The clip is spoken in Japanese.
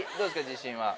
自信は。